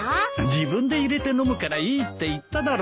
自分で入れて飲むからいいって言っただろ？